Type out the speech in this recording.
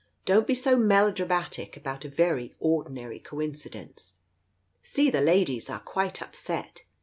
"Don't be so melodramatic about a very ordinary co incidence. See, the ladies are quite upset.